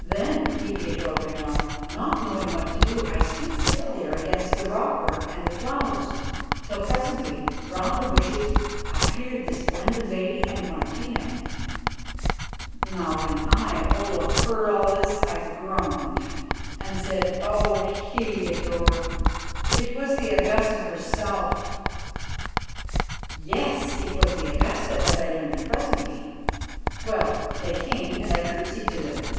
"Then," Heliodore went on, "not knowing what to do, I stood still there against the rockwork and the flowers till presently, round the bushes, appeared the splendid lady and Martina." Now when I, Olaf, heard all this, I groaned and said: "Oh! Heliodore, it was the Augusta herself." "Yes, it was the Augusta, as I learned presently. Well, they came, and I curtsied to them.